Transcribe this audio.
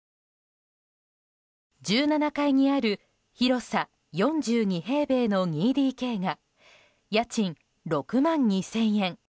１７階にある広さ４２平米の２ＤＫが家賃６万２０００円。